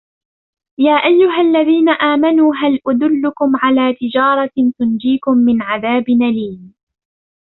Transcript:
يَا أَيُّهَا الَّذِينَ آمَنُوا هَلْ أَدُلُّكُمْ عَلَى تِجَارَةٍ تُنْجِيكُمْ مِنْ عَذَابٍ أَلِيمٍ